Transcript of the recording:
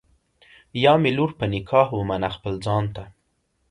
یا مي لور په نکاح ومنه خپل ځان ته